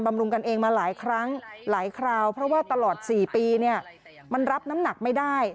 ลุงกันเองมาหลายครั้งหลายคราวเพราะว่าตลอด๔ปีเนี่ยมันรับน้ำหนักไม่ได้